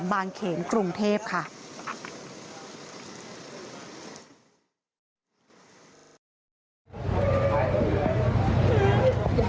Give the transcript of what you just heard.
ปี๖๕วันเช่นเดียวกัน